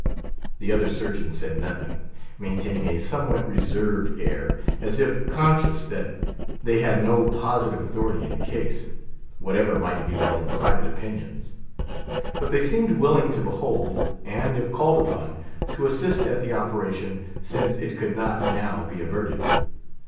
The other surgeons said nothing, maintaining a somewhat reserved air, as if conscious that they had no positive authority in the case, whatever might be their own private opinions; but they seemed willing to behold, and, if called upon, to assist at the operation, since it could not now be averted.